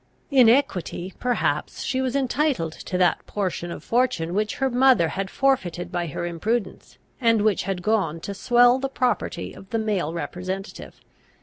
In equity, perhaps, she was entitled to that portion of fortune which her mother had forfeited by her imprudence, and which had gone to swell the property of the male representative.